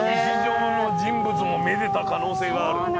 歴史上の人物もめでた可能性がある。